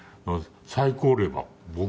最高齢は僕。